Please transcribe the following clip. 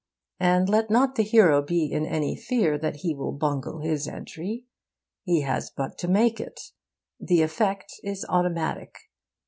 And let not the hero be in any fear that he will bungle his entry. He has but to make it. The effect is automatic.